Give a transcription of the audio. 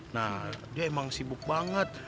nah dia emang sibuk banget